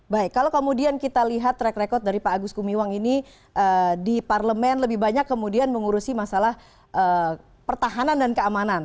baik kalau kemudian kita lihat track record dari pak agus gumiwang ini di parlemen lebih banyak kemudian mengurusi masalah pertahanan dan keamanan